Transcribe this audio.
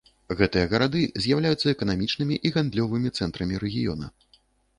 Гэтыя гарады з'яўляюцца эканамічнымі і гандлёвымі цэнтрамі рэгіёна.